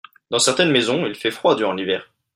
Dans certaines maisons il fait froid durant l'hiver.